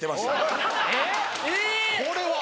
これは！